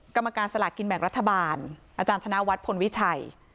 กรรมการสลากินแบ่งรัฐบาลอาจารย์ธนวัฒน์พลวิชัย